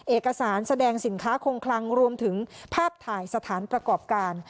เอกสารแสดงสินค้าคงคลังรวมถึงภาพถ่ายสถานประกอบการ